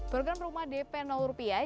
program rumah dp rupiah